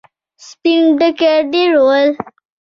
سپين ډکي ډېر ول.